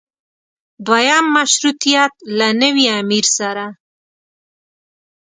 دویم مشروطیت له نوي امیر سره.